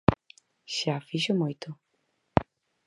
Xa fixo moito.